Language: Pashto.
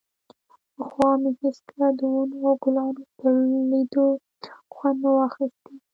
پخوا مې هېڅکله د ونو او ګلانو پر ليدو خوند نه و اخيستى.